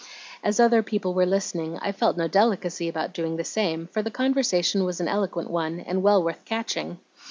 As other people were listening, I felt no delicacy about doing the same, for the conversation was an eloquent one, and well worth catching.